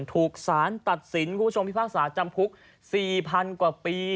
ถูกสารตัดสินคุณผู้ชมพิพากษาจำคุก๔๐๐๐กว่าปี